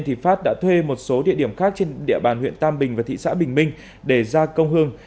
thì phát đã thuê một số địa điểm khác trên địa bàn huyện tam bình và thị xã bình minh để ra công hương